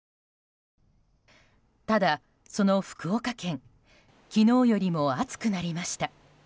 ただ、その福岡県昨日よりも暑くなりました。